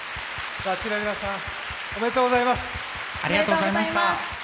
ｗａｃｃｉの皆さんおめでとうございます。